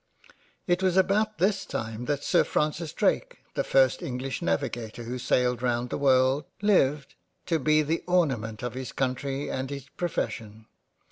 It was about this time that Sir Francis Drake the first English Navigator who sailed round the World, lived, to be the ornament of his Country and his profession.